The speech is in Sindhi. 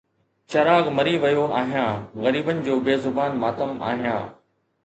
چراغ مري ويو آهيان، غريبن جو بي زبان ماتم آهيان